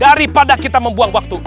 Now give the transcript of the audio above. daripada kita membuang waktu